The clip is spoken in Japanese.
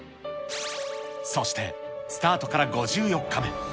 そしてスタートから５４日目。